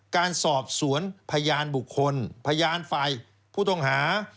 การสอบสวนพยานบุคคลพยานฝ่ายผู้ต้องหา